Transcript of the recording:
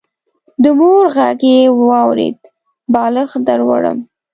د مور غږ يې واورېد: بالښت دروړم.